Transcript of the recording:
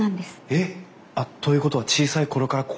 えっ？ということは小さい頃からここに？